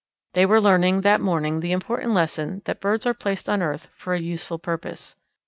They were learning that morning the important lesson that birds are placed on earth for a useful purpose.